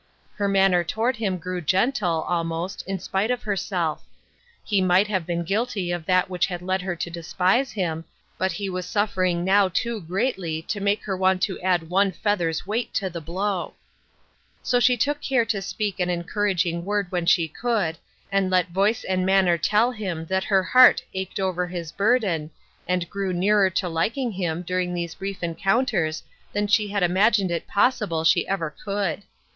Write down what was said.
Her manner toward him grew gentle, al BELATED WORK. 24 1 most, in spite of herself ; he might have been guilty of that which had led her to despise him, but he was suffering now too greatly to make her want to add one feather's weight to the blow. So she took care to speak an encouraging word when she could, and let voice and manner tell him that her heart ached over his burden, and grew nearer to liking him during these brief en counters than she had imagined it possible she ever could.